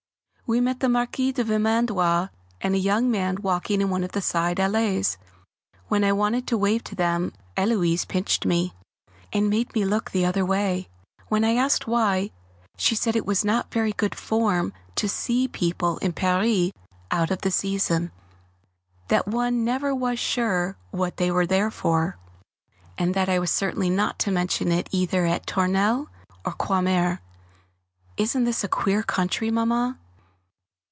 We met the Marquise de Vermandoise and a young man walking in one of the side allées, and when I wanted to wave to them Héloise pinched me, and made me look the other way; and when I asked why, she said it was not very good form to "see" people in Paris out of the Season that one never was sure what they were there for and that I was certainly not to mention it either at Tournelle or Croixmare! Isn't this a queer country, Mamma?